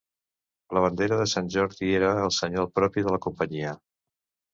La bandera de sant Jordi era el senyal propi de la companyia.